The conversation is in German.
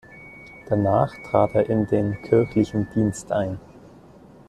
Danach trat er in den kirchlichen Dienst ein.